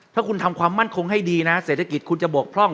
ถ้าคุณทำความมั่นคงให้ดีนะเศรษฐกิจคุณจะบกพร่อง